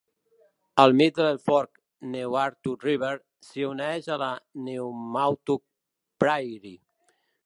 El Middle Fork Newaukum River s'hi uneix a la Newaukum Prairie.